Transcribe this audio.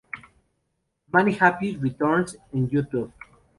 Many Happy Returns en YouTube.